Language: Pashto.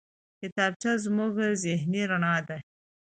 کتابچه زموږ ذهني رڼا ده